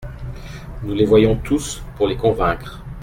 Nous les voyons tous, pour les convaincre.